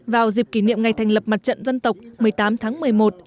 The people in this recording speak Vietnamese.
vào dịp kỷ niệm ngày thành lập mặt trận dân tộc một mươi tám tháng một mươi một